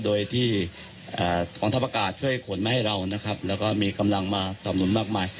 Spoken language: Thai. โดยที่กองทัพอากาศช่วยขนมาให้เรานะครับแล้วก็มีกำลังมาสำนุนมากมาย